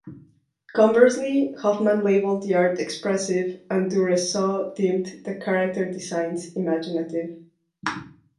Conversely, Hoffman labeled the art "expressive", and Douresseaux deemed the character designs "imaginative.